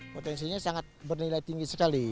potensinya sangat bernilai tinggi sekali